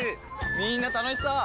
みんな楽しそう！